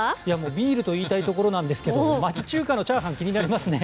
ビールと言いたいところなんですが町中華のチャーハン気になりますね。